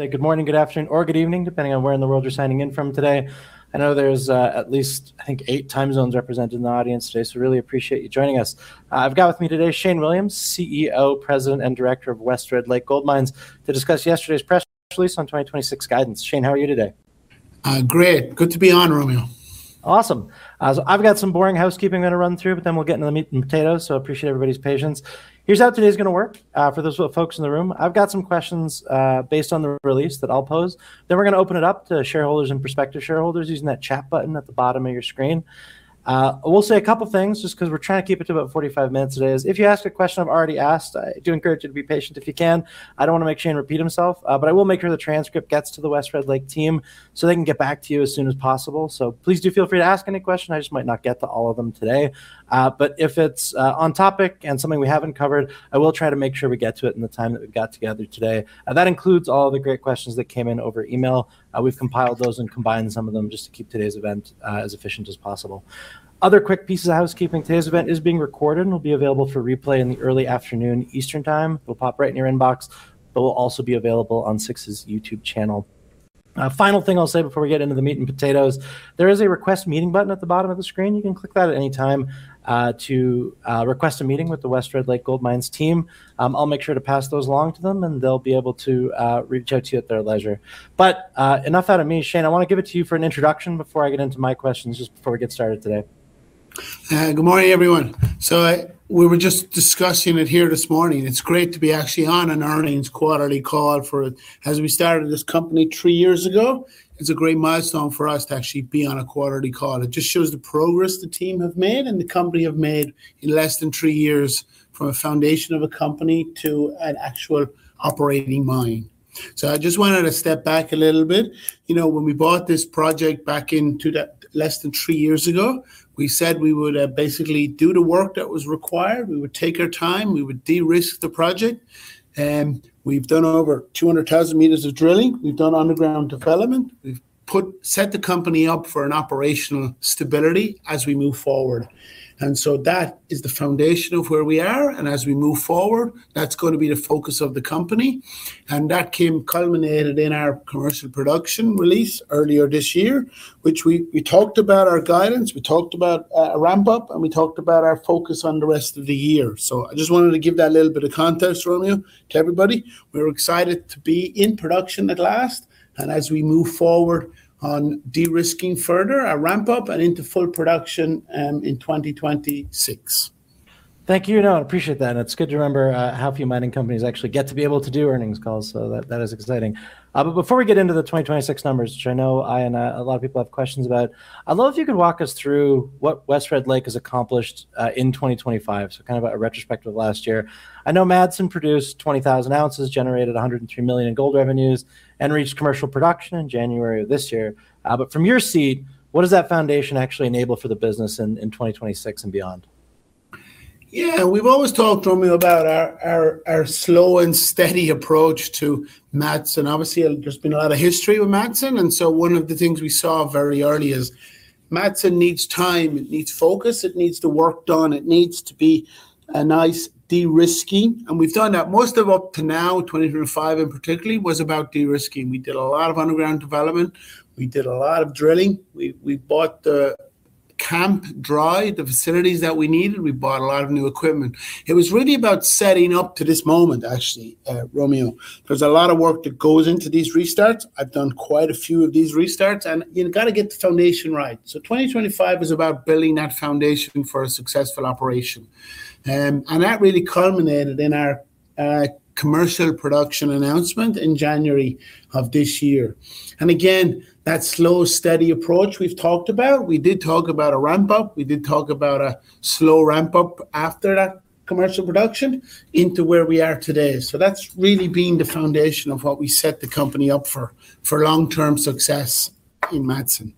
Say good morning, good afternoon, or good evening, depending on where in the world you're signing in from today. I know there's at least, I think, eight time zones represented in the audience today, so really appreciate you joining us. I've got with me today Shane Williams, CEO, President, and Director of West Red Lake Gold Mines, to discuss yesterday's press release on 2026 guidance. Shane, how are you today? Great. Good to be on, Romeo. Awesome. I've got some boring housekeeping I'm going to run through, but then we'll get into the meat and potatoes, so appreciate everybody's patience. Here's how today's going to work, for those folks in the room. I've got some questions based on the release that I'll pose. We're going to open it up to shareholders and prospective shareholders using that chat button at the bottom of your screen. I will say a couple things just because we're trying to keep it to about 45 minutes today is if you ask a question I've already asked, I do encourage you to be patient if you can. I don't want to make Shane repeat himself, but I will make sure the transcript gets to the West Red Lake team so they can get back to you as soon as possible. Please do feel free to ask any question, I just might not get to all of them today. If it's on topic and something we haven't covered, I will try to make sure we get to it in the time that we've got together today. That includes all the great questions that came in over email. We've compiled those and combined some of them just to keep today's event as efficient as possible. Other quick pieces of housekeeping. Today's event is being recorded and will be available for replay in the early afternoon Eastern Time. It will pop right in your inbox, but will also be available on 6ix's YouTube channel. Final thing I'll say before we get into the meat and potatoes, there is a Request Meeting button at the bottom of the screen. You can click that at any time to request a meeting with the West Red Lake Gold Mines team. I'll make sure to pass those along to them, and they'll be able to reach out to you at their leisure. Enough out of me. Shane, I want to give it to you for an introduction before I get into my questions, just before we get started today. Good morning, everyone. We were just discussing it here this morning. It's great to be actually on an earnings quarterly call for it, as we started this company three years ago. It's a great milestone for us to actually be on a quarterly call. It just shows the progress the team have made and the company have made in less than three years, from a foundation of a company to an actual operating mine. I just wanted to step back a little bit. When we bought this project back less than three years ago, we said we would basically do the work that was required. We would take our time, we would de-risk the project, and we've done over 200,000 m of drilling. We've done underground development. We've set the company up for an operational stability as we move forward. That is the foundation of where we are, and as we move forward, that's going to be the focus of the company. That culminated in our commercial production release earlier this year, which we talked about our guidance, we talked about a ramp up, and we talked about our focus on the rest of the year. I just wanted to give that little bit of context, Romeo, to everybody. We're excited to be in production at last, and as we move forward on de-risking further, a ramp up and into full production in 2026. Thank you. No, I appreciate that, and it's good to remember how few mining companies actually get to be able to do earnings calls, so that is exciting. Before we get into the 2026 numbers, which I know I and a lot of people have questions about, I wonder if you could walk us through what West Red Lake has accomplished in 2025, so a retrospective of last year. I know Madsen produced 20,000 oz, generated 103 million in gold revenues, and reached commercial production in January of this year. From your seat, what does that foundation actually enable for the business in 2026 and beyond? Yeah. We've always talked, Romeo, about our slow and steady approach to Madsen. Obviously, there's been a lot of history with Madsen, and so one of the things we saw very early is Madsen needs time, it needs focus, it needs the work done. It needs to be a nice de-risking, and we've done that most of up to now. 2025 in particular was about de-risking. We did a lot of underground development. We did a lot of drilling. We bought the camp dry, the facilities that we needed. We bought a lot of new equipment. It was really about setting up to this moment actually, Romeo. There's a lot of work that goes into these restarts. I've done quite a few of these restarts, and you've got to get the foundation right. 2025 was about building that foundation for a successful operation. That really culminated in our commercial production announcement in January of this year. Again, that slow, steady approach we've talked about, we did talk about a ramp up. We did talk about a slow ramp up after that commercial production into where we are today. That's really been the foundation of what we set the company up for long-term success in Madsen.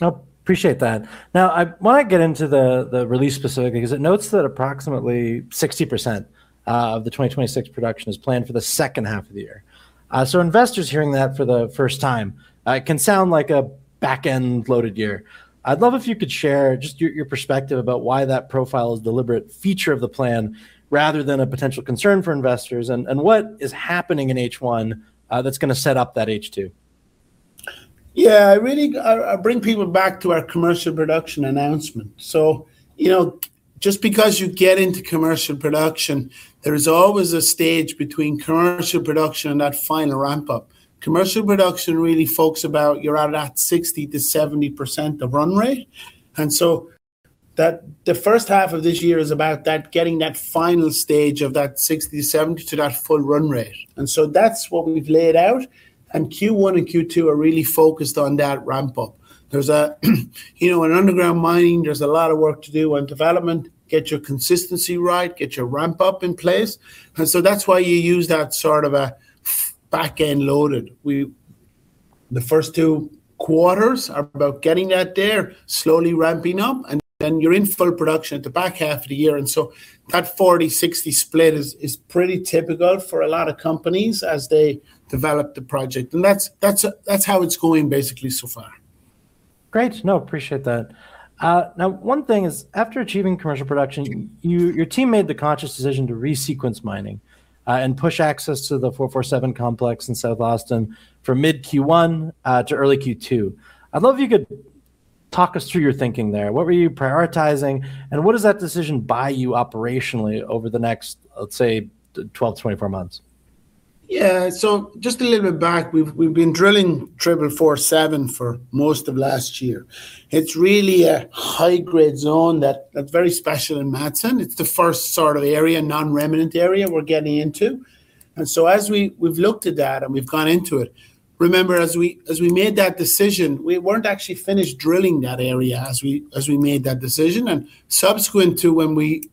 No, I appreciate that. Now, I want to get into the release specifically, because it notes that approximately 60% of the 2026 production is planned for the second half of the year. Investors hearing that for the first time, it can sound like a back-loaded year. I'd love if you could share just your perspective about why that profile is a deliberate feature of the plan rather than a potential concern for investors, and what is happening in H1 that's going to set up that H2? Yeah. I bring people back to our commercial production announcement. Just because you get into commercial production, there's always a stage between commercial production and that final ramp up. Commercial production really focuses about you're at that 60%-70% of run rate. The first half of this year is about getting that final stage of that 60%-70% to that full run rate. That's what we've laid out, and Q1 and Q2 are really focused on that ramp up. In underground mining, there's a lot of work to do on development, get your consistency right, get your ramp up in place. That's why you use that sort of a backend loaded. The first two quarters are about getting that there, slowly ramping up. Then you're in full production at the back half of the year. That 40/60 split is pretty typical for a lot of companies as they develop the project. That's how it's going basically so far. Great. I appreciate that. Now, one thing is, after achieving commercial production, your team made the conscious decision to resequence mining and push access to the 4447 complex in South Austin from mid Q1 to early Q2. I'd love if you could talk us through your thinking there. What were you prioritizing, and what does that decision buy you operationally over the next, let's say, 12 to 24 months? Yeah. Just a little bit back, we've been drilling 4447 for most of last year. It's really a high-grade zone that's very special in Madsen. It's the first sort of area, non-remnant area, we're getting into. As we've looked at that and we've gone into it, remember, as we made that decision, we weren't actually finished drilling that area as we made that decision. Subsequent to when we,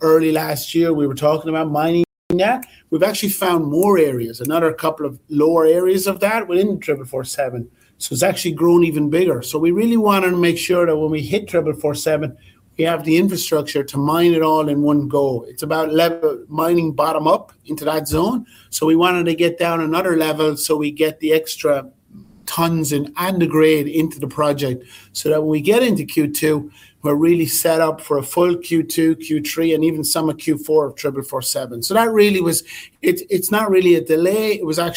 early last year, we were talking about mining that, we've actually found more areas, another couple of lower areas of that within 4447. It's actually grown even bigger. We really wanted to make sure that when we hit 4447, we have the infrastructure to mine it all in one go. It's about mining bottom up into that zone. We wanted to get down another level, so we get the extra tons and the grade into the project, so that when we get into Q2, we're really set up for a full Q2, Q3, and even some of Q4 of 4447. It's not really a delay. It was a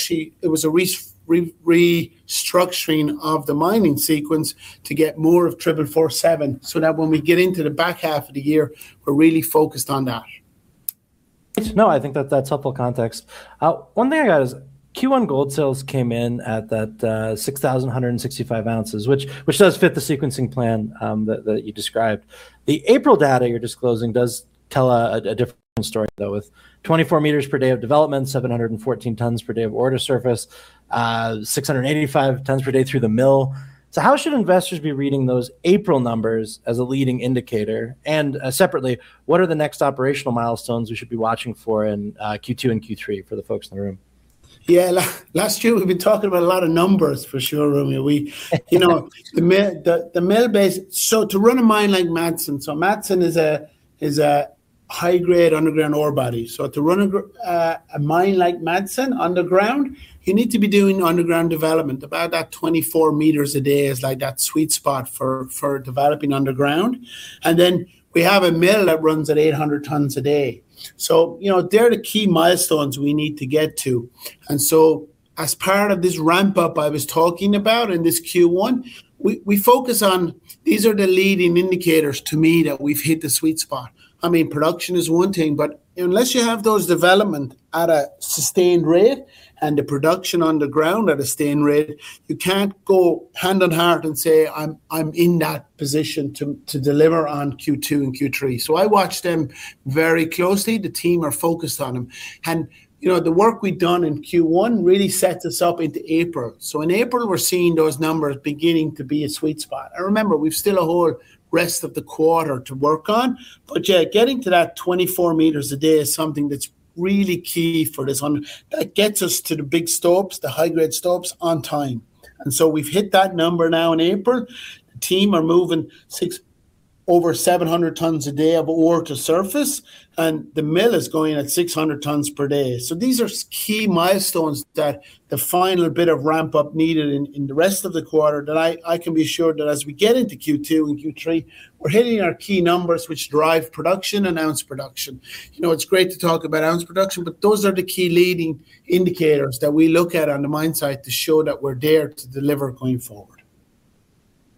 restructuring of the mining sequence to get more of 4447, so that when we get into the back half of the year, we're really focused on that. No, I think that's helpful context. One thing I got is Q1 gold sales came in at that 6,765 oz, which does fit the sequencing plan that you described. The April data you're disclosing does tell a different story, though, with 24 m per day of development, 714 tons per day of ore to surface, 685 tons per day through the mill. How should investors be reading those April numbers as a leading indicator? And separately, what are the next operational milestones we should be watching for in Q2 and Q3 for the folks in the room? Yeah. Last year, we've been talking about a lot of numbers, for sure, Romeo. The mill base, so to run a mine like Madsen, so Madsen is a high-grade underground ore body, so to run a mine like Madsen underground, you need to be doing underground development. About that 24 m a day is that sweet spot for developing underground. We have a mill that runs at 800 tons a day. They're the key milestones we need to get to. As part of this ramp-up I was talking about in this Q1, we focus on these are the leading indicators to me that we've hit the sweet spot. Production is one thing, but unless you have those development at a sustained rate and the production on the ground at a sustained rate, you can't go hand on heart and say, "I'm in that position to deliver on Q2 and Q3." I watch them very closely. The team are focused on them. The work we've done in Q1 really sets us up into April. In April, we're seeing those numbers beginning to be a sweet spot. Remember, we've still a whole rest of the quarter to work on, but yeah, getting to that 24 m a day is something that's really key for this. That gets us to the big stops, the high-grade stops, on time. We've hit that number now in April. Team are moving over 700 tons a day of ore to surface, and the mill is going at 600 tons per day. These are key milestones that the final bit of ramp-up needed in the rest of the quarter that I can be assured that as we get into Q2 and Q3, we're hitting our key numbers, which drive production and ounce production. It's great to talk about ounce production, but those are the key leading indicators that we look at on the mine site to show that we're there to deliver going forward.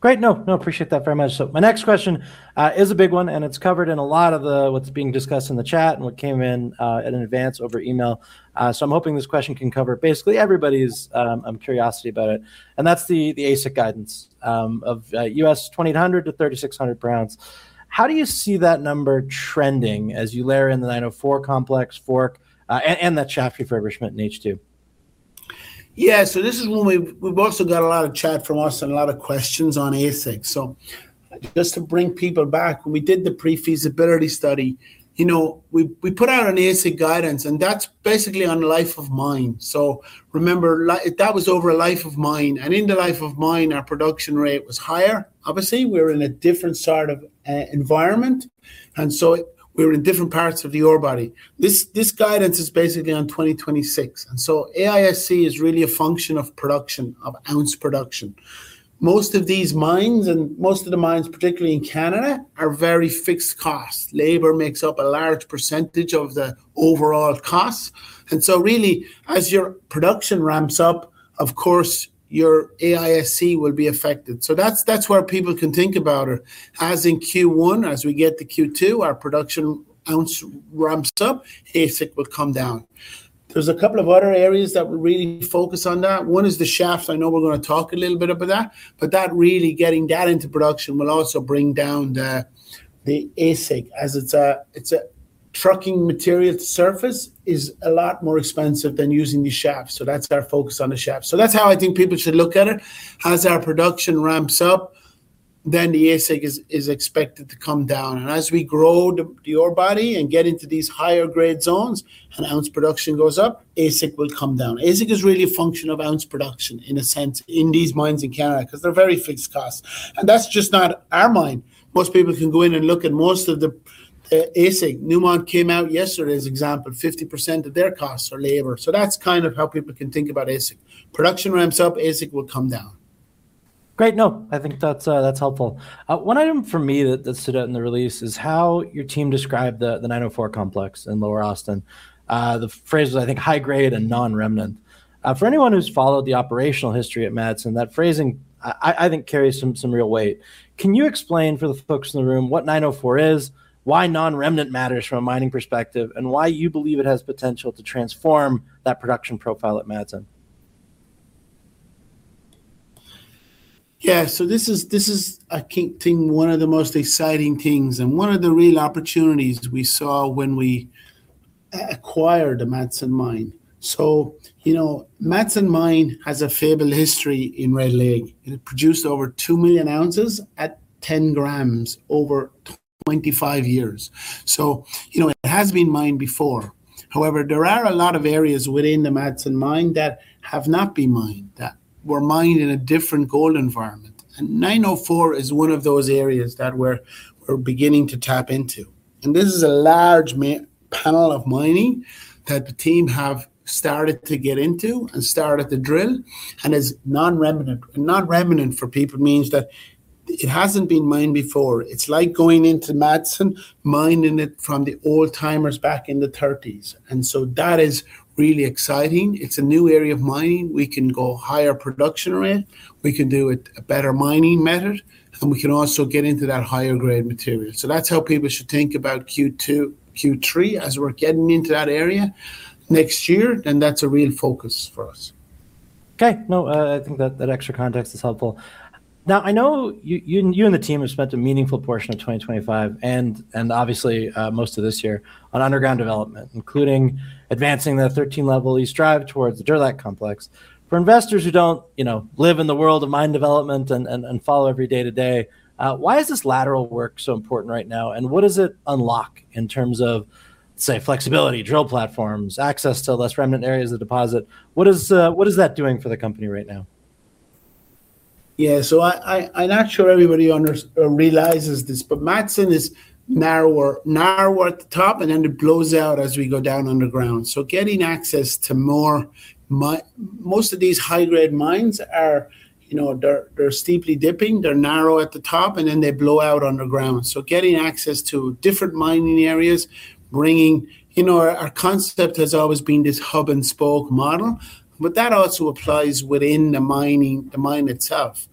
Great. No, I appreciate that very much. My next question is a big one, and it's covered in a lot of what's being discussed in the chat and what came in in advance over email. I'm hoping this question can cover basically everybody's curiosity about it, and that's the AISC guidance of $2,800-$3,600 per ounce. How do you see that number trending as you layer in the 904 complex, Fork, and that shaft refurbishment in H2? Yeah. This is one we've also got a lot of chat from us and a lot of questions on AISC. Just to bring people back, when we did the pre-feasibility study, we put out an AISC guidance, and that's basically on life of mine. Remember, that was over life of mine, and in the life of mine, our production rate was higher. Obviously, we're in a different sort of environment, and so we're in different parts of the ore body. This guidance is basically on 2026, and so AISC is really a function of production, of ounce production. Most of these mines, and most of the mines, particularly in Canada, are very fixed cost. Labor makes up a large percentage of the overall cost. Really, as your production ramps up, of course, your AISC will be affected. That's where people can think about it. As in Q1, as we get to Q2, our production ounce ramps up, AISC will come down. There's a couple of other areas that we're really focused on that. One is the shaft. I know we're going to talk a little bit about that, but that really getting that into production will also bring down the AISC, as it's a trucking material to surface is a lot more expensive than using the shaft. That's our focus on the shaft. That's how I think people should look at it. As our production ramps up, then the AISC is expected to come down, and as we grow the ore body and get into these higher grade zones and ounce production goes up, AISC will come down. AISC is really a function of ounce production in a sense in these mines in Canada, because they're very fixed cost. That's just not our mine. Most people can go in and look at most of the AISC. Newmont came out yesterday as example, 50% of their costs are labor. That's how people can think about AISC. Production ramps up, AISC will come down. Great. No, I think that's helpful. One item for me that stood out in the release is how your team described the 904 Complex in lower Austin. The phrase was, I think, "high-grade and non-remnant." For anyone who's followed the operational history at Madsen, that phrasing I think carries some real weight. Can you explain for the folks in the room what 904 is, why non-remnant matters from a mining perspective, and why you believe it has potential to transform that production profile at Madsen? Yeah. This is I think one of the most exciting things and one of the real opportunities we saw when we acquired the Madsen Mine. Madsen Mine has a fabled history in Red Lake. It produced over 2 million oz at 10 g over 25 years. It has been mined before. However, there are a lot of areas within the Madsen Mine that have not been mined, that were mined in a different gold environment. 904 is one of those areas that we're beginning to tap into. This is a large panel of mining that the team have started to get into and started to drill and is non-remnant. Non-remnant for people means that it hasn't been mined before. It's like going into Madsen, mining it from the old-timers back in the 1930s. That is really exciting. It's a new area of mining. We can go higher production rate, we can do a better mining method, and we can also get into that higher grade material. That's how people should think about Q2, Q3, as we're getting into that area next year. That's a real focus for us. Okay. No, I think that extra context is helpful. Now, I know you and the team have spent a meaningful portion of 2025, and obviously, most of this year on underground development, including advancing the 13 level east drive towards the Derlak complex. For investors who don't live in the world of mine development and follow every day-to-day, why is this lateral work so important right now, and what does it unlock in terms of, say, flexibility, drill platforms, access to non-remnant areas of deposit? What is that doing for the company right now? Yeah. I'm not sure everybody realizes this, but Madsen is narrower at the top, and then it blows out as we go down underground. Most of these high-grade mines are steeply dipping. They're narrow at the top, and then they blow out underground, getting access to different mining areas. Our concept has always been this hub and spoke model, but that also applies within the mine itself.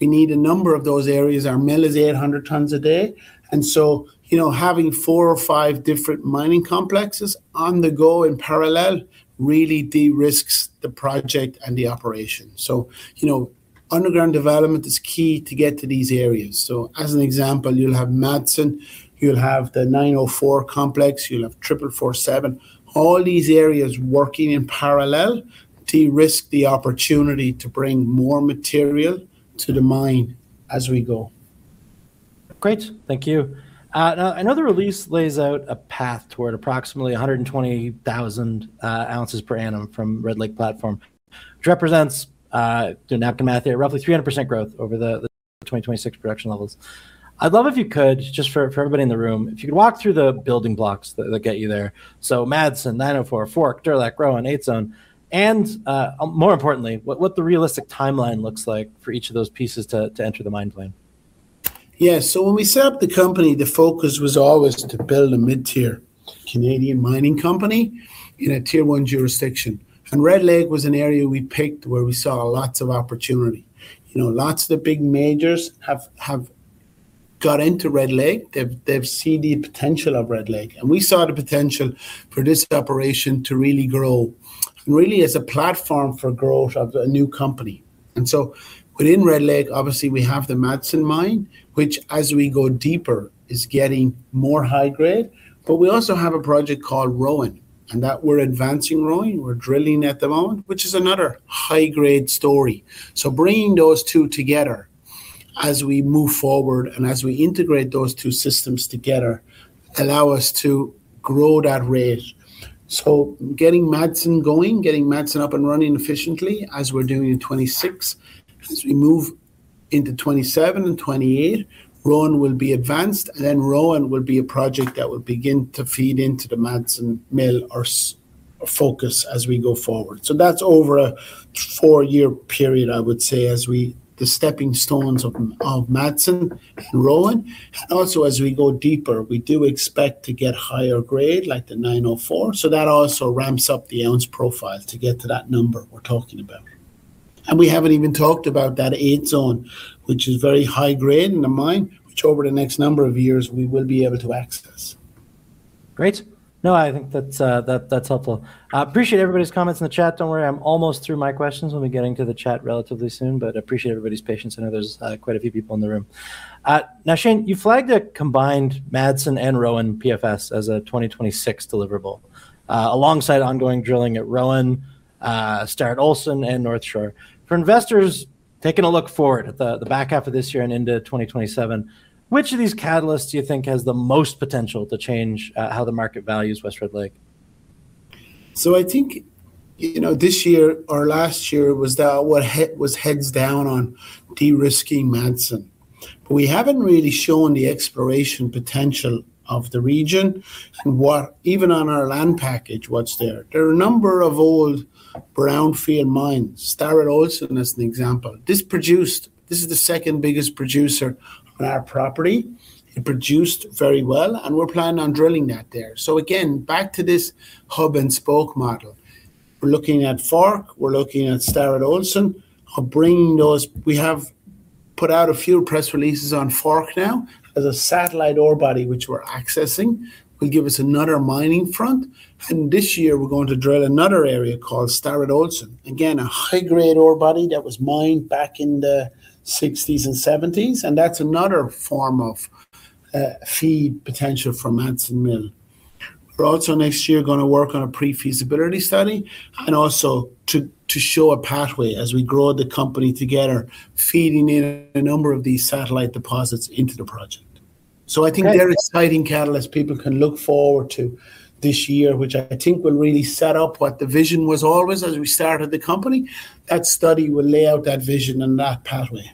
We need a number of those areas. Our mill is 800 tons a day, and so having four or five different mining complexes on the go in parallel really de-risks the project and the operation. Underground development is key to get to these areas. As an example, you'll have Madsen, you'll have the 904 complex, you'll have 4447, all these areas working in parallel to de-risk the opportunity to bring more material to the mine as we go. Great. Thank you. Now, I know the release lays out a path toward approximately 120,000 oz per annum from Red Lake platform, which represents, doing the math here, roughly 300% growth over the 2026 production levels. I'd love if you could, just for everybody in the room, if you could walk through the building blocks that get you there. Madsen, 904, 4447, Derlak, Rowan, 8 Zone, and more importantly, what the realistic timeline looks like for each of those pieces to enter the mine plan? Yeah. When we set up the company, the focus was always to build a mid-tier Canadian mining company in a Tier 1 jurisdiction. Red Lake was an area we picked where we saw lots of opportunity. Lots of the big majors have got into Red Lake. They've seen the potential of Red Lake, and we saw the potential for this operation to really grow, really as a platform for growth of a new company. Within Red Lake, obviously we have the Madsen Mine, which as we go deeper, is getting more high-grade. We also have a project called Rowan, and that we're advancing Rowan, we're drilling at the moment, which is another high-grade story. Bringing those two together as we move forward and as we integrate those two systems together, allow us to grow that rate. Getting Madsen going, getting Madsen up and running efficiently as we're doing in 2026. As we move into 2027 and 2028, Rowan will be advanced, and then Rowan will be a project that will begin to feed into the Madsen mill, our focus as we go forward. That's over a 4-year period, I would say, as the stepping stones of Madsen and Rowan. Also, as we go deeper, we do expect to get higher grade like the 904. That also ramps up the ounce profile to get to that number we're talking about. We haven't even talked about that 8 Zone, which is very high grade in the mine, which over the next number of years, we will be able to access. Great. No, I think that's helpful. I appreciate everybody's comments in the chat. Don't worry, I'm almost through my questions. We'll be getting to the chat relatively soon, but I appreciate everybody's patience. I know there's quite a few people in the room. Now, Shane, you flagged a combined Madsen and Rowan PFS as a 2026 deliverable, alongside ongoing drilling at Rowan, start at Olsen and North Shore. For investors taking a look forward at the back half of this year and into 2027, which of these catalysts do you think has the most potential to change how the market values West Red Lake? I think this year or last year was heads down on de-risking Madsen. We haven't really shown the exploration potential of the region, and even on our land package what's there. There are a number of old brownfield mines, Starratt-Olsen as an example. This is the second biggest producer on our property. It produced very well, and we're planning on drilling that there. Again, back to this hub and spoke model. We're looking at Fork, we're looking at Starratt-Olsen. We have put out a few press releases on Fork now as a satellite ore body, which we're accessing, will give us another mining front. This year we're going to drill another area called Starratt-Olsen. Again, a high-grade ore body that was mined back in the 1960s and 1970s, and that's another form of feed potential from Madsen Mill. We're also next year going to work on a pre-feasibility study and also to show a pathway as we grow the company together, feeding in a number of these satellite deposits into the project. I think they're exciting catalysts people can look forward to this year, which I think will really set up what the vision was always as we started the company. That study will lay out that vision and that pathway.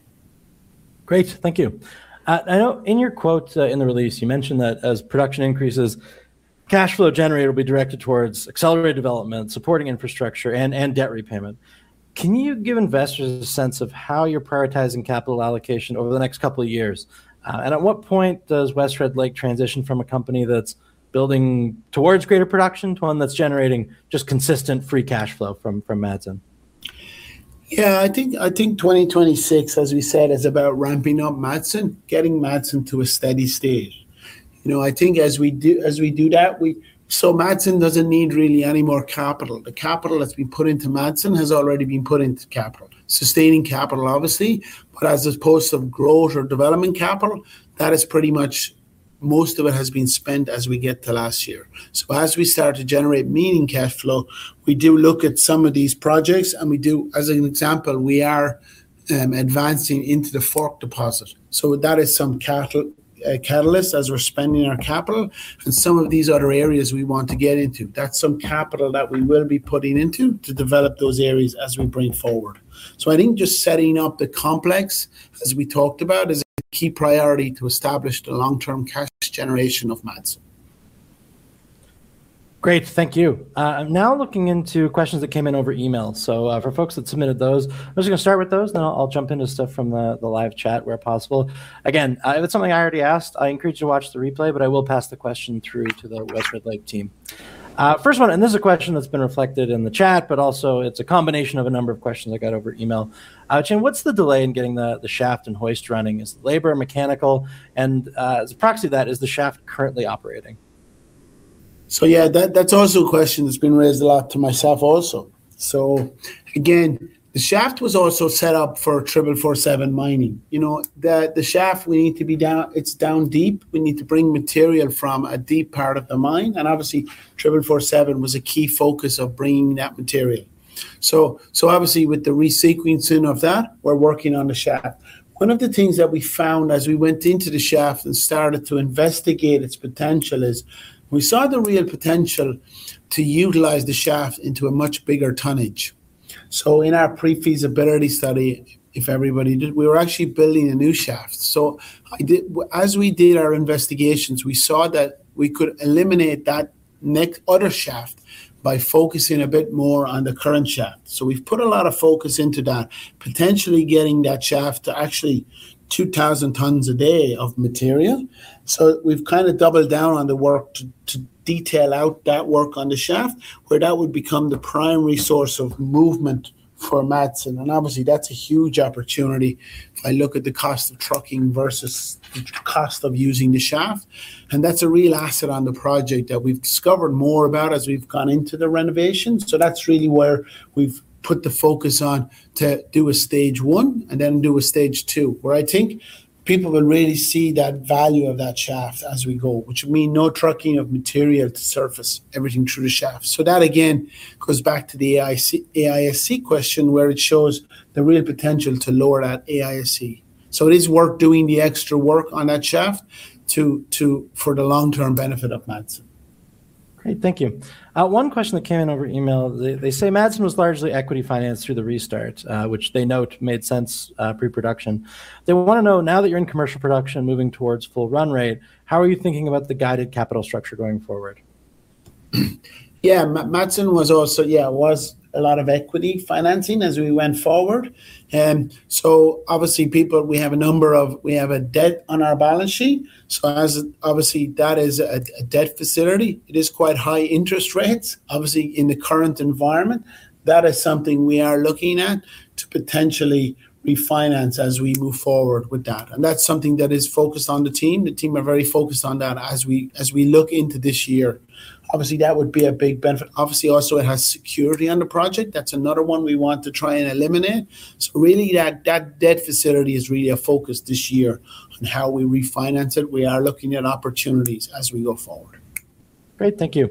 Great, thank you. I know in your quotes in the release, you mentioned that as production increases, cash flow generated will be directed towards accelerated development, supporting infrastructure, and debt repayment. Can you give investors a sense of how you're prioritizing capital allocation over the next couple of years? At what point does West Red Lake transition from a company that's building towards greater production to one that's generating just consistent free cash flow from Madsen? Yeah, I think 2026, as we said, is about ramping up Madsen, getting Madsen to a steady state. Madsen doesn't need really any more capital. The capital that's been put into Madsen has already been put into capital. Sustaining capital, obviously, but as opposed to growth or development capital, that is pretty much most of it has been spent as we get to last year. As we start to generate meaningful cash flow, we do look at some of these projects, and as an example, we are advancing into the Fork deposit. That is some catalyst as we're spending our capital in some of these other areas we want to get into. That's some capital that we will be putting into to develop those areas as we bring forward. I think just setting up the complex, as we talked about, is a key priority to establish the long-term cash generation of Madsen. Great, thank you. I'm now looking into questions that came in over email. For folks that submitted those, I'm just going to start with those, then I'll jump into stuff from the live chat where possible. Again, if it's something I already asked, I encourage you to watch the replay, but I will pass the question through to the West Red Lake team. First one, this is a question that's been reflected in the chat, but also it's a combination of a number of questions I got over email. Jim, what's the delay in getting the shaft and hoist running? Is it labor, mechanical, and as a proxy to that, is the shaft currently operating? Yeah, that's also a question that's been raised a lot to myself also. Again, the shaft was also set up for 4447 complex. The shaft, it's down deep. We need to bring material from a deep part of the mine, and obviously 4447 complex was a key focus of bringing that material. Obviously with the resequencing of that, we're working on the shaft. One of the things that we found as we went into the shaft and started to investigate its potential is we saw the real potential to utilize the shaft into a much bigger tonnage. In our pre-feasibility study, we were actually building a new shaft. As we did our investigations, we saw that we could eliminate that other shaft by focusing a bit more on the current shaft. We've put a lot of focus into that, potentially getting that shaft to actually 2,000 tons a day of material. We've kind of doubled down on the work to detail out that work on the shaft, where that would become the primary source of movement for Madsen. Obviously that's a huge opportunity if I look at the cost of trucking versus the cost of using the shaft. That's a real asset on the project that we've discovered more about as we've gone into the renovation. That's really where we've put the focus on to do a stage one and then do a stage two, where I think people will really see that value of that shaft as we go, which would mean no trucking of material to surface, everything through the shaft. That, again, goes back to the AISC question, where it shows the real potential to lower that AISC. It is worth doing the extra work on that shaft for the long-term benefit of Madsen. Great, thank you. One question that came in over email, they say Madsen was largely equity financed through the restart, which they note made sense pre-production. They want to know now that you're in commercial production, moving towards full run rate, how are you thinking about the guided capital structure going forward? Yeah, Madsen was a lot of equity financing as we went forward. Obviously, people, we have a number of, we had a debt in our balance sheet. Obviously that is a debt facility. It is quite high interest rates, obviously, in the current environment. That is something we are looking at to potentially refinance as we move forward with that. That's something that is focused on the team. The team are very focused on that as we look into this year. Obviously, that would be a big benefit. Obviously, also it has security on the project. That's another one we want to try and eliminate. Really, that debt facility is really a focus this year on how we refinance it. We are looking at opportunities as we go forward. Great, thank you.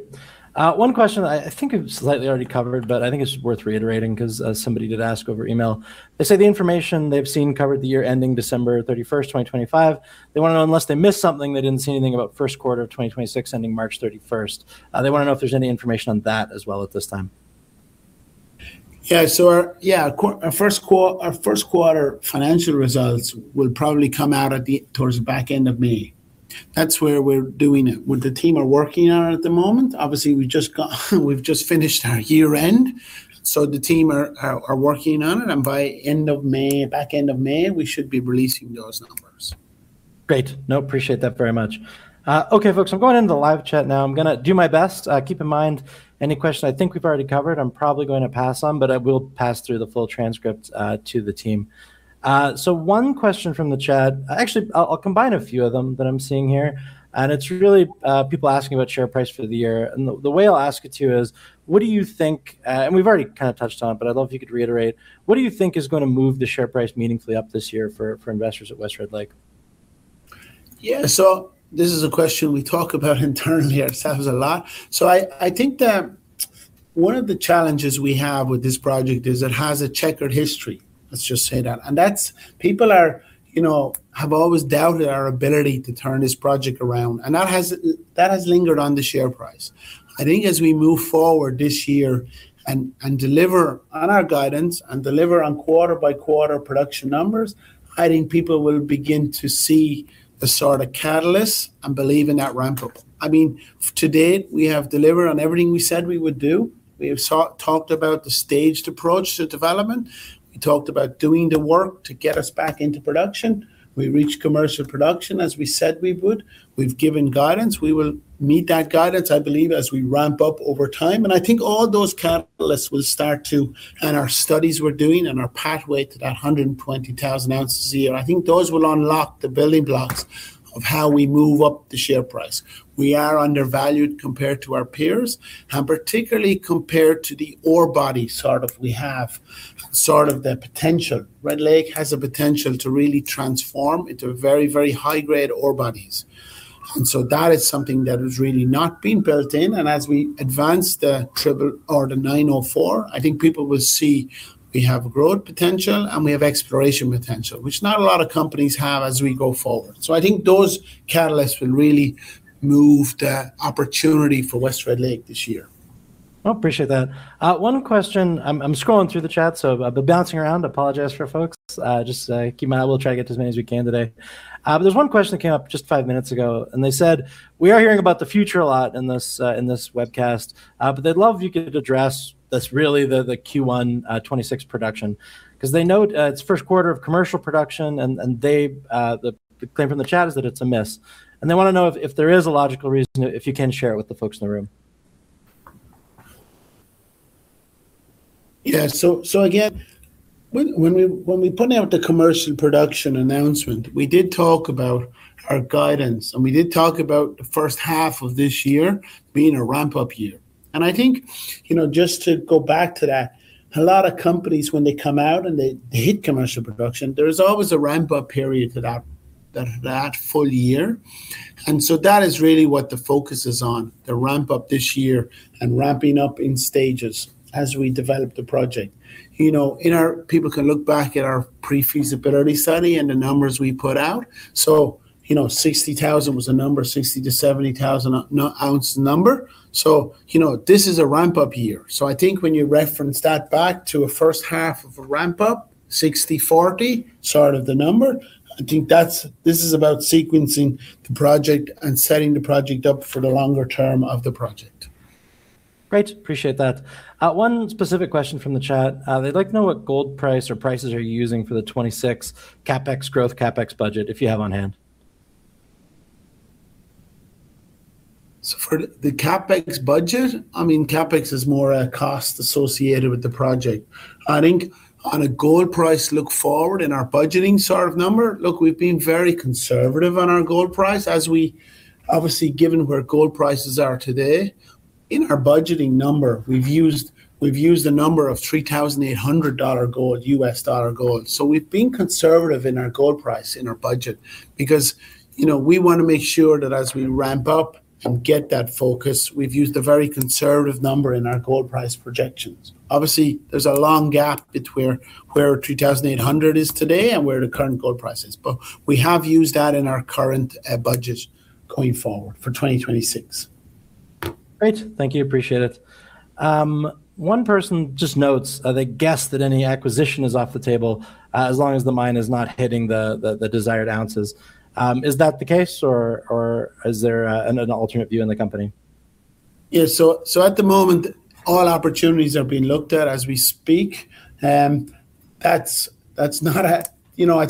One question I think you've slightly already covered, but I think it's worth reiterating because somebody did ask over email. They say the information they've seen covered the year ending December 31st, 2025. They want to know unless they missed something, they didn't see anything about first quarter of 2026 ending March 31st. They want to know if there's any information on that as well at this time. Our first quarter financial results will probably come out towards the back end of May. That's where we're doing it, what the team are working on at the moment. Obviously, we've just finished our year-end, so the team are working on it, and by end of May, back end of May, we should be releasing those numbers. Great. No, appreciate that very much. Okay, folks, I'm going into the live chat now. I'm going to do my best. Keep in mind any question I think we've already covered, I'm probably going to pass on, but I will pass through the full transcript to the team. One question from the chat, actually, I'll combine a few of them that I'm seeing here, and it's really people asking about share price for the year. The way I'll ask it to you is, what do you think, and we've already touched on it, but I'd love if you could reiterate, what do you think is going to move the share price meaningfully up this year for investors at West Red Lake? Yeah. This is a question we talk about internally ourselves a lot. I think that one of the challenges we have with this project is it has a checkered history, let's just say that. People have always doubted our ability to turn this project around. That has lingered on the share price. I think as we move forward this year and deliver on our guidance, and deliver on quarter-by-quarter production numbers, I think people will begin to see the sort of catalyst and believe in that ramp-up. To date, we have delivered on everything we said we would do. We have talked about the staged approach to development. We talked about doing the work to get us back into production. We reached commercial production as we said we would. We've given guidance. We will meet that guidance, I believe, as we ramp up over time. I think all those catalysts will start to, and our studies we're doing and our pathway to that 120,000 oz a year, I think those will unlock the building blocks of how we move up the share price. We are undervalued compared to our peers, and particularly compared to the ore body sort of we have, sort of the potential. Red Lake has a potential to really transform into a very, very high-grade ore bodies. That is something that has really not been built in, and as we advance the 904, I think people will see we have growth potential and we have exploration potential, which not a lot of companies have as we go forward. I think those catalysts will really move the opportunity for West Red Lake this year. Well, appreciate that. One question, I'm scrolling through the chat, so I've been bouncing around. I apologize for folks. Just keep them out. We'll try to get to as many as we can today. There's one question that came up just five minutes ago, and they said, "We are hearing about the future a lot in this webcast," but they'd love if you could address this really the Q1 2026 production, because they note it's first quarter of commercial production and the claim from the chat is that it's a miss. They want to know if there is a logical reason, if you can share it with the folks in the room. Yeah. Again, when we put out the commercial production announcement, we did talk about our guidance, and we did talk about the first half of this year being a ramp-up year. I think, just to go back to that, a lot of companies when they come out and they hit commercial production, there is always a ramp-up period to that full year. That is really what the focus is on, the ramp-up this year and ramping up in stages as we develop the project. People can look back at our pre-feasibility study and the numbers we put out. 60,000 was the number, 60,000 oz-70,000 oz number. This is a ramp-up year. I think when you reference that back to a first half of a ramp-up, 60/40 sort of the number, I think this is about sequencing the project and setting the project up for the longer term of the project. Great. Appreciate that. One specific question from the chat. They'd like to know what gold price or prices are you using for the 2026 CapEx growth, CapEx budget, if you have on hand? For the CapEx budget, CapEx is more a cost associated with the project. I think on a gold price look forward in our budgeting sort of number, look, we've been very conservative on our gold price as we obviously given where gold prices are today. In our budgeting number, we've used a number of $3,800 gold, U.S. dollar gold. We've been conservative in our gold price in our budget because we want to make sure that as we ramp up and get that focus, we've used a very conservative number in our gold price projections. Obviously, there's a long gap between where $3,800 is today and where the current gold price is. We have used that in our current budget going forward for 2026. Great. Thank you. Appreciate it. One person just notes that they guess that any acquisition is off the table as long as the mine is not hitting the desired ounces. Is that the case or is there an alternate view in the company? Yeah. At the moment, all opportunities are being looked at as we speak. At the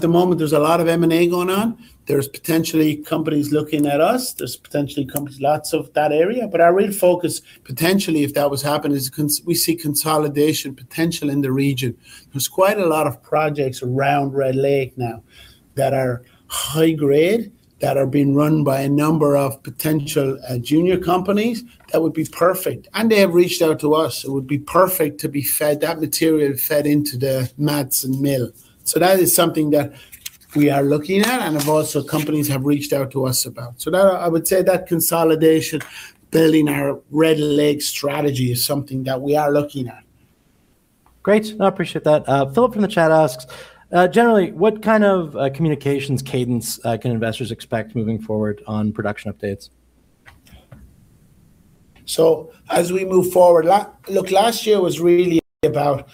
moment, there's a lot of M&A going on. There's potentially companies looking at us. There's potentially companies, lots of that area, but our real focus, potentially, if that was happening, is we see consolidation potential in the region. There's quite a lot of projects around Red Lake now that are high grade, that are being run by a number of potential junior companies that would be perfect, and they have reached out to us. It would be perfect to be fed that material into the Madsen mill. That is something that we are looking at and companies have reached out to us about. That I would say that consolidation building our Red Lake strategy is something that we are looking at. Great. No, I appreciate that. Philip from the chat asks, Generally, what kind of communications cadence can investors expect moving forward on production updates? As we move forward, look, last year was really about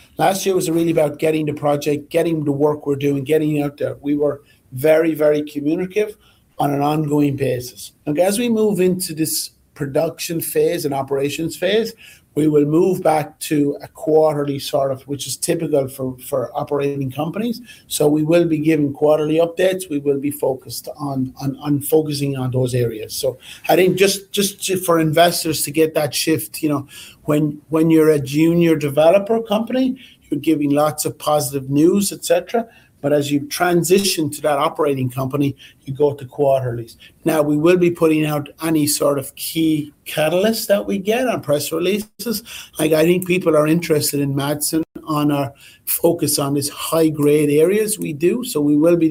getting the project, getting the work we're doing, getting it out there. We were very communicative on an ongoing basis. Look, as we move into this production phase and operations phase, we will move back to a quarterly sort of, which is typical for operating companies. We will be giving quarterly updates. We will be focused on focusing on those areas. I think just for investors to get that shift, when you're a junior development company, you're giving lots of positive news, et cetera. As you transition to that operating company, you go to quarterlies. Now, we will be putting out any sort of key catalyst that we get on press releases. Look, I think people are interested in Madsen and our focus on these high-grade areas we do, so we will be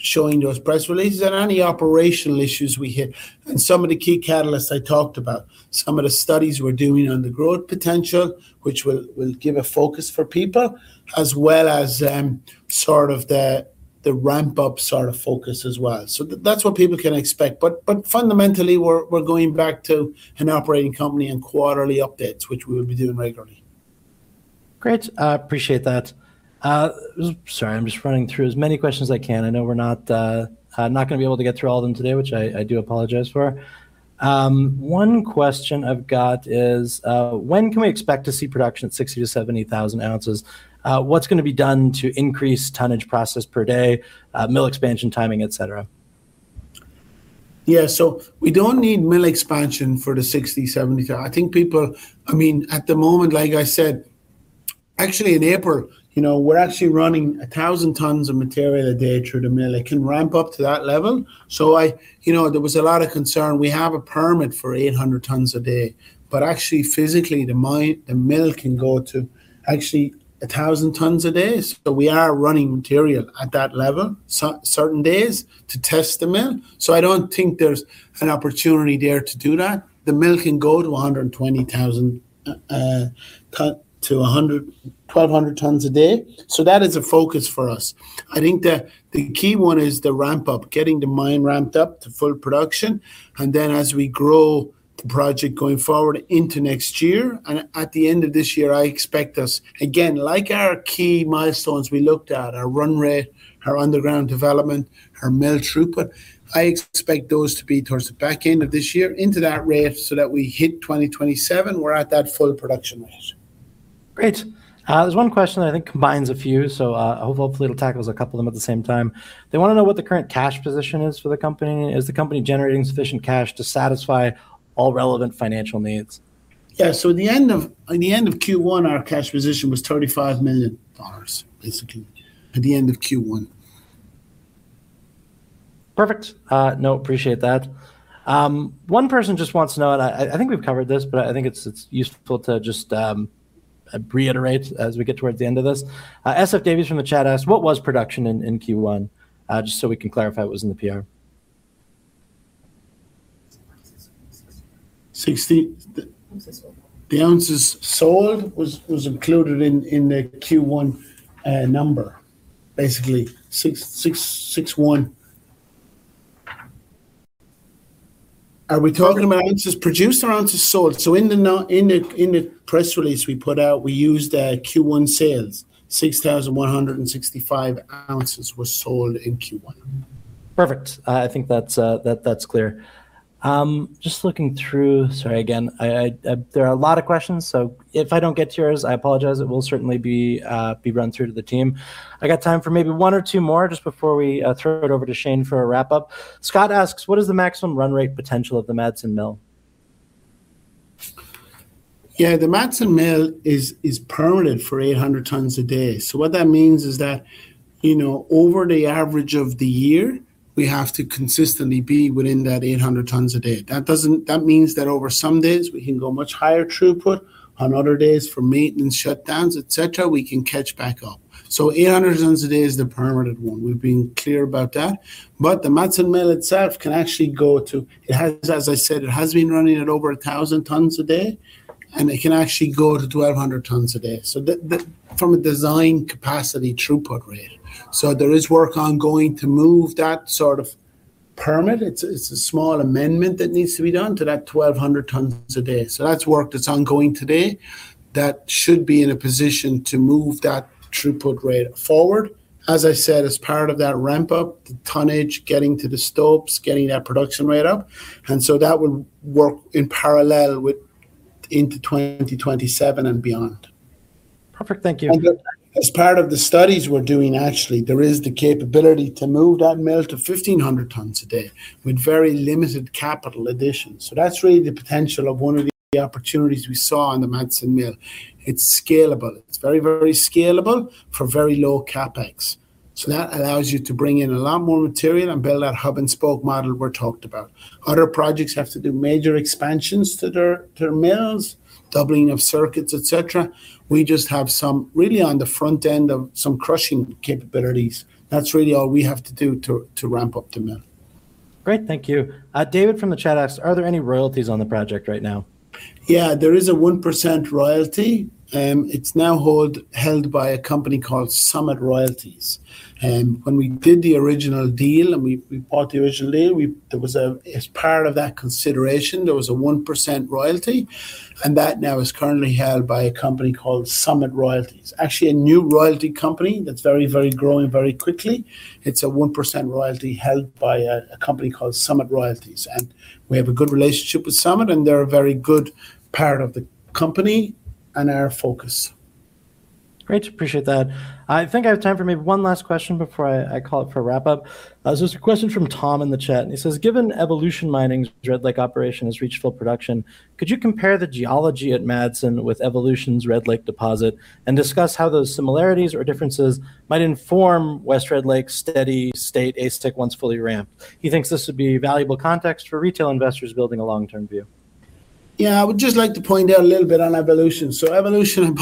issuing those press releases and any operational issues we hit. Some of the key catalysts I talked about, some of the studies we're doing on the growth potential, which will give a focus for people, as well as the ramp-up sort of focus as well. That's what people can expect, but fundamentally, we're going back to an operating company and quarterly updates, which we will be doing regularly. Great. I appreciate that. Sorry, I'm just running through as many questions as I can. I know we're not going to be able to get through all of them today, which I do apologize for. One question I've got is when can we expect to see production at 60,000 oz-70,000 oz? What's going to be done to increase tonnage processed per day, mill expansion timing, et cetera? Yeah. We don't need mill expansion for the 60,000 oz, 70,000 oz. At the moment, like I said, actually in April, we're actually running 1,000 tons of material a day through the mill. It can ramp up to that level. There was a lot of concern. We have a permit for 800 tons a day, but actually physically the mill can go to actually 1,000 tons a day. We are running material at that level, certain days to test the mill. I don't think there's an opportunity there to do that. The mill can go to 1,200 tons a day, so that is a focus for us. I think that the key one is the ramp up, getting the mine ramped up to full production, and then as we grow the project going forward into next year, and at the end of this year, I expect us, again, like our key milestones we looked at, our run rate, our underground development, our mill throughput. I expect those to be towards the back end of this year into that rate so that we hit 2027, we're at that full production rate. Great. There's one question that I think combines a few, so hopefully it'll tackle a couple of them at the same time. They want to know what the current cash position is for the company. Is the company generating sufficient cash to satisfy all relevant financial needs? Yeah. At the end of Q1, our cash position was 35 million dollars, basically at the end of Q1. Perfect. No, appreciate that. One person just wants to know, and I think we've covered this, but I think it's useful to just reiterate as we get towards the end of this. SF Davies from the chat asks, what was production in Q1? Just so we can clarify what was in the PR. 60. Ounces sold. The ounces sold was included in the Q1 number, basically 61. Are we talking about ounces produced or ounces sold? In the press release we put out, we used Q1 sales, 6,165 oz were sold in Q1. Perfect. I think that's clear. Just looking through, sorry again, there are a lot of questions, so if I don't get to yours, I apologize. It will certainly be run through to the team. I got time for maybe one or two more just before we throw it over to Shane for a wrap-up. Scott asks, what is the maximum run rate potential of the Madsen mill? Yeah, the Madsen mill is permitted for 800 tons a day. What that means is that over the average of the year, we have to consistently be within that 800 tons a day. That means that over some days, we can go much higher throughput. On other days for maintenance shutdowns, et cetera, we can catch back up. 800 tons a day is the permitted one. We've been clear about that. The Madsen mill itself can actually go to, as I said, it has been running at over 1,000 tons a day, and it can actually go to 1,200 tons a day from a design capacity throughput rate. There is work ongoing to move that sort of permit. It's a small amendment that needs to be done to that 1,200 tons a day. That's work that's ongoing today that should be in a position to move that throughput rate forward. As I said, as part of that ramp-up, the tonnage getting to the stopes, getting that production rate up, and so that would work in parallel into 2027 and beyond. Perfect. Thank you. Look, as part of the studies we're doing, actually, there is the capability to move that mill to 1,500 tons a day with very limited capital additions. That's really the potential of one of the opportunities we saw in the Madsen mill. It's scalable. It's very scalable for very low CapEx. That allows you to bring in a lot more material and build that hub and spoke model we talked about. Other projects have to do major expansions to their mills, doubling of circuits, et cetera. We just have some really on the front end of some crushing capabilities. That's really all we have to do to ramp up the mill. Great. Thank you. David from the chat asks, Are there any royalties on the project right now? Yeah, there is a 1% royalty. It's now held by a company called Summit Royalties. When we did the original deal, and we bought the original deal, as part of that consideration, there was a 1% royalty, and that now is currently held by a company called Summit Royalties. Actually, a new royalty company that's growing very quickly. It's a 1% royalty held by a company called Summit Royalties. We have a good relationship with Summit, and they're a very good part of the company and our focus. Great, appreciate that. I think I have time for maybe one last question before I call it for wrap up. There's a question from Tom in the chat, and he says, "Given Evolution Mining's Red Lake operation has reached full production, could you compare the geology at Madsen with Evolution's Red Lake deposit and discuss how those similarities or differences might inform West Red Lake's steady state AISC once fully ramped?" He thinks this would be valuable context for retail investors building a long-term view. Yeah, I would just like to point out a little bit on Evolution. Evolution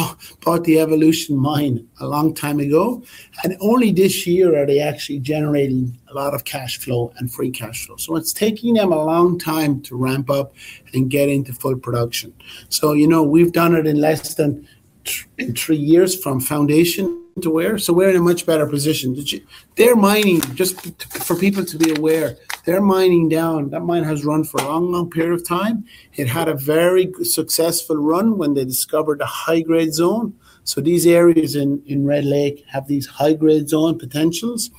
bought the Evolution Mine a long time ago, and only this year are they actually generating a lot of cash flow and free cash flow. It's taking them a long time to ramp up and get into full production. We've done it in less than three years from foundation to where, so we're in a much better position. Just for people to be aware, they're mining down. That mine has run for a long period of time. It had a very successful run when they discovered a high-grade zone. These areas in Red Lake have these high-grade zone potentials,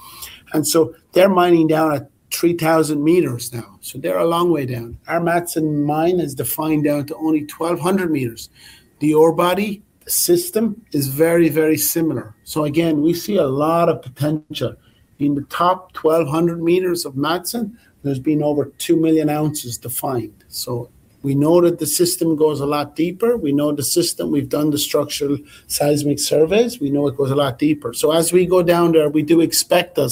and so they're mining down at 3,000 m now. They're a long way down. Our Madsen Mine is defined down to only 1,200 m. The ore body system is very similar. Again, we see a lot of potential. In the top 1,200 m of Madsen, there's been over 2 million oz defined. We know that the system goes a lot deeper. We know the system. We've done the structural seismic surveys. We know it goes a lot deeper. As we go down there, we do expect to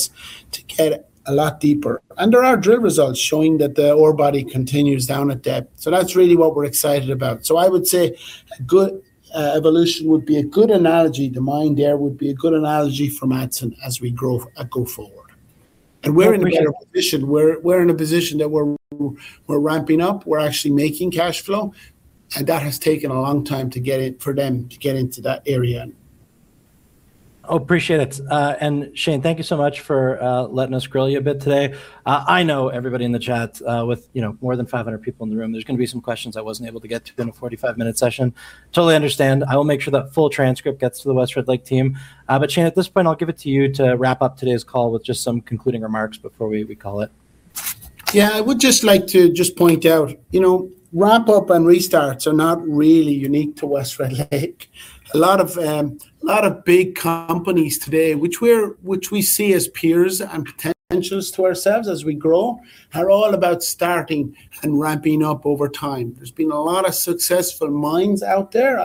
get a lot deeper. There are drill results showing that the ore body continues down at depth. That's really what we're excited about. I would say Evolution would be a good analogy. The mine there would be a good analogy for Madsen as we go forward. We're in a better position. We're in a position that we're ramping up. We're actually making cash flow, and that has taken a long time for them to get into that area. Oh, I appreciate it. Shane, thank you so much for letting us grill you a bit today. I know everybody in the chat, with more than 500 people in the room, there's going to be some questions I wasn't able to get to in a 45-minute session. Totally understand. I will make sure that full transcript gets to the West Red Lake team. Shane, at this point, I'll give it to you to wrap up today's call with just some concluding remarks before we call it. Yeah, I would just like to just point out, wrap up and restarts are not really unique to West Red Lake. A lot of big companies today, which we see as peers and potentials to ourselves as we grow, are all about starting and ramping up over time. There's been a lot of successful mines out there.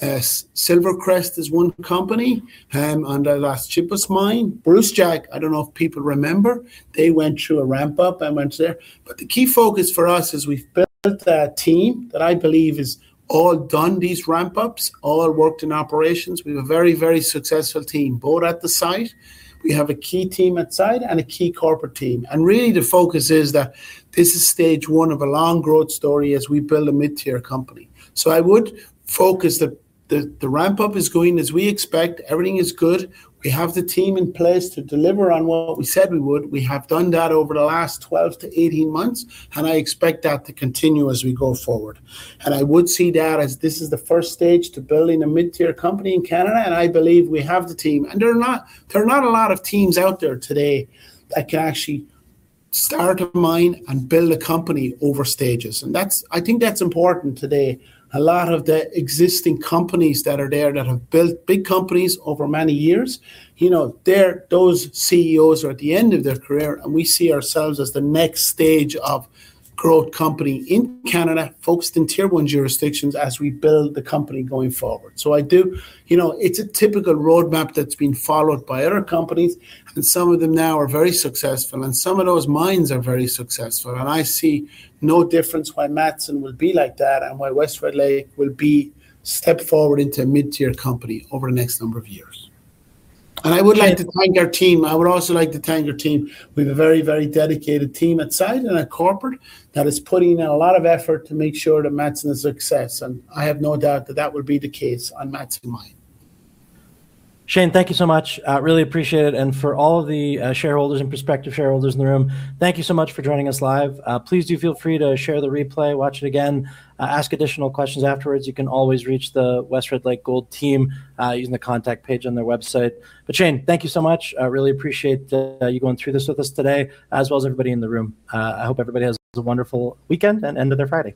SilverCrest is one company, and owns the Las Chispas Mine. Brucejack, I don't know if people remember. They went through a ramp-up and went there. The key focus for us is we've built a team that I believe is all done these ramp-ups, all have worked in operations. We have a very successful team, both at the site. We have a key team at site and a key corporate team. Really the focus is that this is stage one of a long growth story as we build a mid-tier company. I would focus, the ramp-up is going as we expect. Everything is good. We have the team in place to deliver on what we said we would. We have done that over the last 12-18 months, and I expect that to continue as we go forward. I would see that as this is the first stage to building a mid-tier company in Canada, and I believe we have the team. There are not a lot of teams out there today that can actually start a mine and build a company over stages, and I think that's important today. A lot of the existing companies that are there that have built big companies over many years, those CEOs are at the end of their career, and we see ourselves as the next stage of growth company in Canada, focused in Tier 1 jurisdictions as we build the company going forward. It's a typical roadmap that's been followed by other companies, and some of them now are very successful, and some of those mines are very successful. I see no difference why Madsen will be like that and why West Red Lake Gold Mines will be step forward into a mid-tier company over the next number of years. I would like to thank our team. I would also like to thank our team. We have a very dedicated team at site and at corporate that is putting in a lot of effort to make sure that Madsen is a success, and I have no doubt that would be the case on Madsen Mine. Shane, thank you so much. Really appreciate it. For all of the shareholders and prospective shareholders in the room, thank you so much for joining us live. Please do feel free to share the replay, watch it again, ask additional questions afterwards. You can always reach the West Red Lake Gold team, using the contact page on their website. Shane, thank you so much. I really appreciate you going through this with us today, as well as everybody in the room. I hope everybody has a wonderful weekend and end of their Friday.